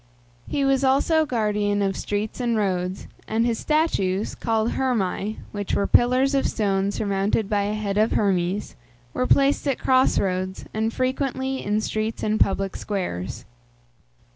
He was also guardian of streets and roads, and his statues, called Hermæ (which were pillars of stone surmounted by a head of Hermes), were placed at cross roads, and frequently in streets and public squares.